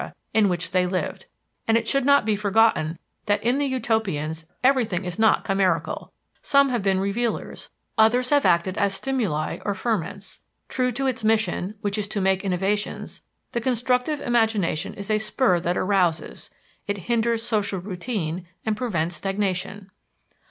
in which they lived, and it should not be forgotten that in the Utopians everything is not chimerical some have been revealers, others have acted as stimuli or ferments. True to its mission, which is to make innovations, the constructive imagination is a spur that arouses; it hinders social routine and prevents stagnation.